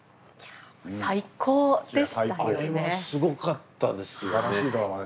あれはすごかったですよね。